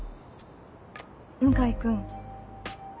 向井君。